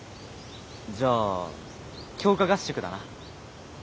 じゃあ強化合宿だな。